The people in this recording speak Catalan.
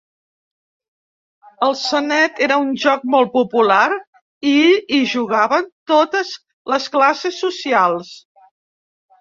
El Senet era un joc molt popular i hi jugaven totes les classes socials.